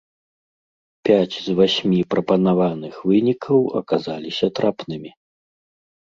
Пяць з васьмі прапанавых вынікаў аказаліся трапнымі!